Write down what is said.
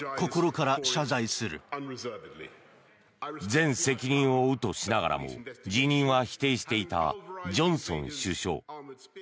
全責任を負うとしながらも辞任は否定していたジョンソン首相。